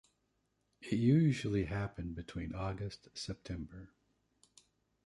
It usually happen between August–September.